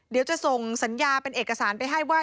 เดี๋ยวจะส่งสัญญาเป็นเอกสารไปให้ว่า